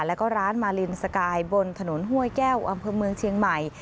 แล้วก็ร้านมาลินสกายบนถนนห้วยแก้วอำเภอเมืองเชียงใหม่